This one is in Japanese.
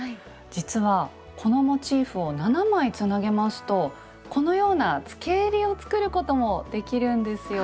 実はこのモチーフを７枚つなげますとこのようなつけえりを作ることもできるんですよ。